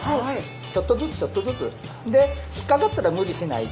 ちょっとずつちょっとずつ。で引っかかったら無理しないで。